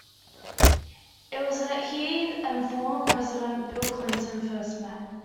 It was that he and former President Bill Clinton first met.